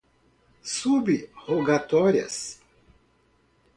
sub-rogatórias